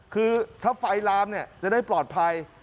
คือถ้าไฟลามจะได้ปลอดภัย